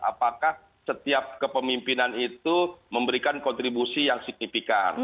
apakah setiap kepemimpinan itu memberikan kontribusi yang signifikan